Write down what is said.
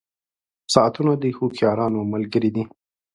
• ساعتونه د هوښیارانو ملګري دي.